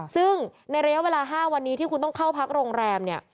ซึ่งในระยะเวลา๕วันนี้ที่คุณต้องเข้าพักโรงแรมเนี่ย